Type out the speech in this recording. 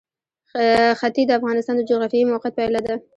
ښتې د افغانستان د جغرافیایي موقیعت پایله ده.